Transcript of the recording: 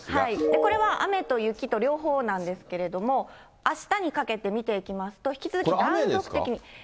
これは雨と雪と両方なんですけれども、あしたにかけて見ていきますと、これは雨ですか？